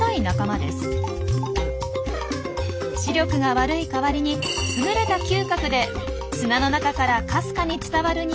視力が悪い代わりに優れた嗅覚で砂の中からかすかに伝わるニオイを察知。